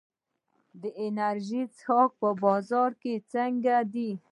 د انرژي څښاک بازار څنګه دی؟